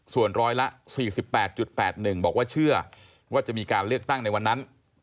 ส่วนร้อยละ๔๘๘๑บอกว่าเชื่อว่าจะมีการเลือกตั้งในวันนั้น